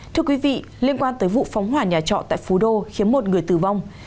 thưa quý vị liên quan tới vụ phóng hỏa nhà trọ tại phú đô khiến một người tử vong